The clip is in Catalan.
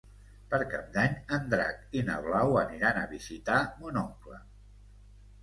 Per Cap d'Any en Drac i na Blau aniran a visitar mon oncle.